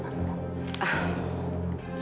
tidak ada pembahasan lain